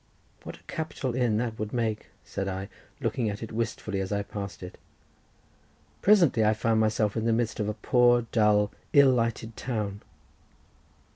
"What a capital inn that would make," said I, looking at it wistfully, as I passed it. Presently I found myself in the midst of a poor, dull, ill lighted town.